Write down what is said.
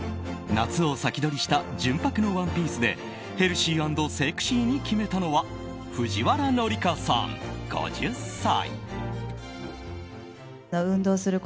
夏を先取りした純白のワンピースでヘルシー＆セクシーに決めたのは藤原紀香さん、５０歳。